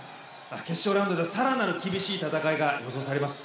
決勝ラウンドではさらなる厳しい戦いが予想されます。